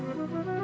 masih ada kehidupan